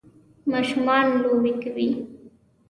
ماشومان لوبې کوي